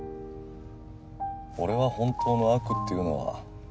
俺は本当の悪っていうのは